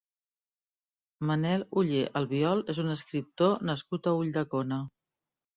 Manel Ollé Albiol és un escriptor nascut a Ulldecona.